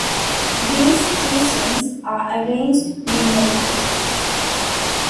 These teachings are arranged numerically.